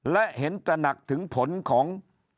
และเห็นตระหนักถึงผลของ